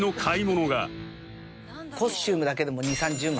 コスチュームだけでも２０３０万